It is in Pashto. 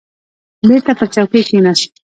بېرته پر چوکۍ کښېناست.